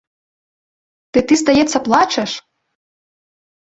Ды ты, здаецца, плачаш?